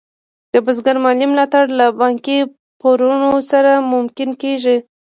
د بزګر مالي ملاتړ له بانکي پورونو سره ممکن کېږي.